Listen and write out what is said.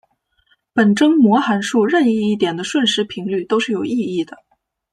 本征模函数任意一点的瞬时频率都是有意义的。